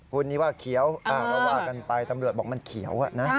หุ่นนี้ว่าเขียวแล้วกันไปตำรวจบอกมันเขียว